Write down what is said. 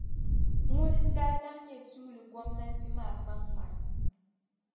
Ŋuni n-daa lahi nyɛ tuuli gɔmnanti maa gbaŋ'ŋmara.